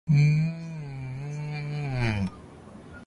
北海道洞爺湖町